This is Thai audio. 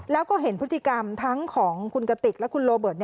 แล้วก็เห็นพฤติกรรมทั้งของคุณกติกและคุณโรเบิร์ต